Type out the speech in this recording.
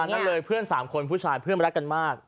นั่นเลยเพื่อน๓คนผู้ชายเพื่อนรักกันมาก